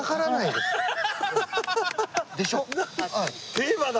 テーマだ。